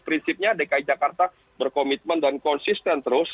prinsipnya dki jakarta berkomitmen dan konsisten terus